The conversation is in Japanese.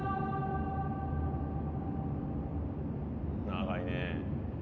長いね。